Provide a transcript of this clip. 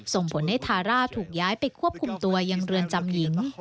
ส่งผลให้ทาร่าถูกย้ายไปควบคุมตัวยังเรือนจำหญิง